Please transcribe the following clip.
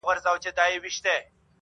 د خپل ژوند په يوه خړه آئينه کي.